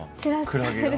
クラゲが？